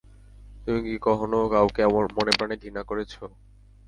তুমি কি কখনও কাউকে মনে প্রানে ঘৃণা করেছো?